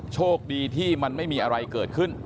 โชคดีที่มันไม่มีอะไรเกิดขึ้น